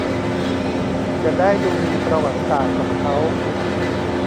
จะได้ดูมีประวัติศาสตร์กับเค้า